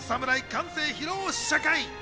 完成披露試写会。